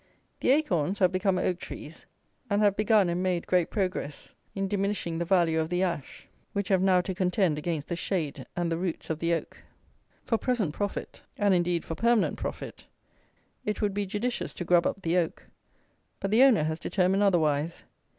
The acorns have become oak trees, and have begun and made great progress in diminishing the value of the ash, which have now to contend against the shade and the roots of the oak. For present profit, and, indeed, for permanent profit, it would be judicious to grub up the oak; but the owner has determined otherwise.